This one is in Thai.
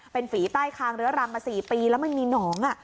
เป็นฝีใต้คางเรื้อรังมา๔ปีแล้วมันมีหนอง